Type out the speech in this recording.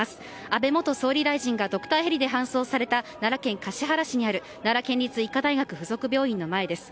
安倍元総理大臣がドクターヘリで搬送された奈良県橿原市にある奈良県立医科大学附属病院の前です。